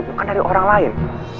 bukan dari orang lain